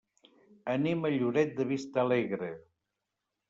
Anem a Lloret de Vistalegre.